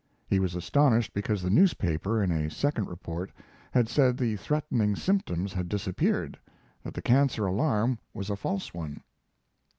He was astonished because the newspaper, in a second report, had said the threatening symptoms had disappeared, that the cancer alarm was a false one.